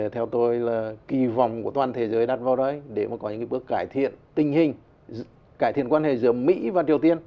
theo tôi là kỳ vọng của toàn thế giới đặt vào đấy để có những bước cải thiện tình hình cải thiện quan hệ giữa mỹ và triều tiên